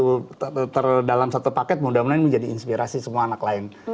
itu terdalam satu paket mudah mudahan ini menjadi inspirasi semua anak lain